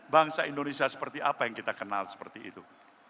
bangsa indonesia seperti apa yang kita kenal seperti itu